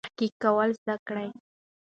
تحقیق کول زده کړئ.